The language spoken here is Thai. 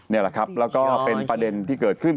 นี่แหละครับแล้วก็เป็นประเด็นที่เกิดขึ้น